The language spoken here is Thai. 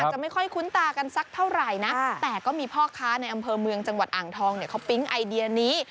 จะไม่ค่อยคุ้นตากันสักเท่าไหร่นะแต่ก็มีพ่อค้าในอำเภอเมืองจังหวัดอ่างทองเนี่ยเขาปิ๊งไอเดียนี้